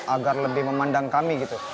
agar lebih memandang kami gitu